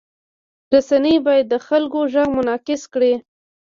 رسنۍ باید د خلکو غږ منعکس کړي.